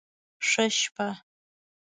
ښه شپه